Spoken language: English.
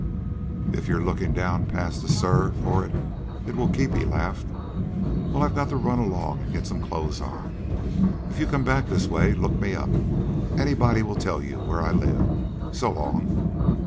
"If you're looking down past the Sur for it, it will keep," he laughed. "Well, I've got to run along and get some clothes on. If you come back this way, look me up. Anybody will tell you where I live. So long."